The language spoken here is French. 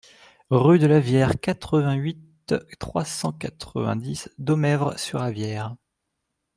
Rue de l'Avière, quatre-vingt-huit, trois cent quatre-vingt-dix Domèvre-sur-Avière